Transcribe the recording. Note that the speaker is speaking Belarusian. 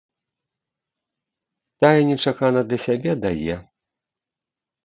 Тая нечакана для сябе дае.